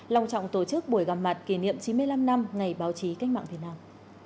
lòng trọng tổ chức buổi gặp mặt kỷ niệm chín mươi năm năm ngày báo chí cách mạng việt nam